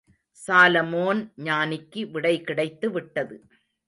Solomon ஞானிக்கு விடை கிடைத்து விட்டது.